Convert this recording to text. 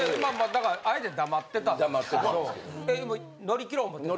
だからあえて黙ってたんですけど乗り切ろう思てんの？